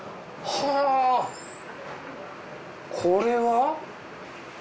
はこれは。